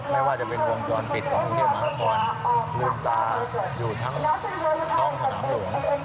ไม่ว่าจะเป็นวงจรปิดของกรุงเทพมหานครลืมตาอยู่ทั้งท้องสนามหลวง